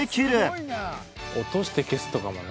「落として消すとかもね」